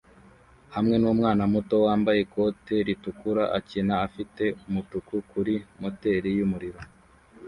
hamwe numwana muto wambaye ikote ritukura akina afite umutuku kuri moteri yumuriro